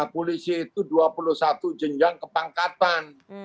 polisi itu dua puluh satu jenjang kepangkatan